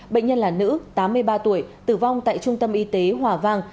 bệnh nhân là nữ tám mươi ba tuổi tử vong tại trung tâm y tế hòa vang